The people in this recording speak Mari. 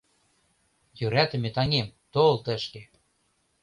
Йӧратыме таҥем, тол тышке.